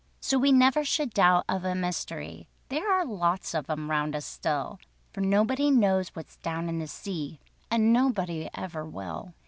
So we never should doubt of a mystery, There are lots of 'em round us still; For nobody knows what's down in the sea, And nobody ever will.